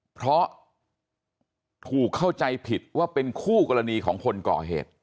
เพราะถูกเข้าใจผิดว่าเป็นคู่กรณีของคนก่อเหตุ